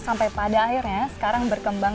sampai pada akhirnya sekarang berkembang